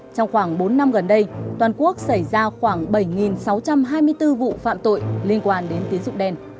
trong khoảng bốn năm gần đây toàn quốc xảy ra khoảng bảy sáu trăm hai mươi bốn vụ phạm tội liên quan đến tín dụng đen